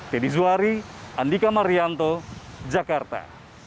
teddy zuhari andika marianto jakarta